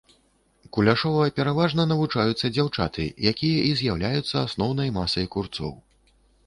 Куляшова пераважна навучаюцца дзяўчаты, якія і з'яўляюцца асноўнай масай курцоў.